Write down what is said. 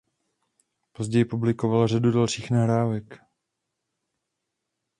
Později publikoval řadu dalších nahrávek.